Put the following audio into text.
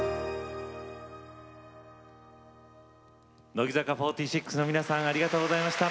乃木坂４６の皆さんありがとうございました。